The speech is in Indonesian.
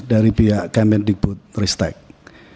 dari pihak kementerian jenderal budi